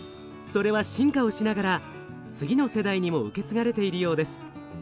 それは進化をしながら次の世代にも受け継がれているようです。